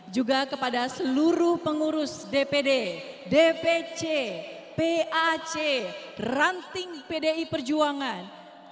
juga kepada seluruh pengurus dpd dpc pac ranting pdi perjuangan